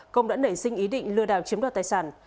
công đã nể sinh ý định lừa đảo chiếm đốt tài sản